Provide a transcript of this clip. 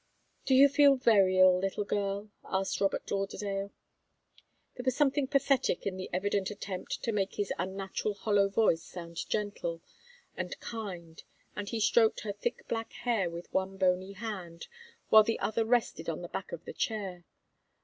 "Do you feel very ill, little girl?" asked Robert Lauderdale. There was something pathetic in the evident attempt to make his unnatural, hollow voice sound gentle and kind, and he stroked her thick black hair with one bony hand, while the other rested on the back of the chair.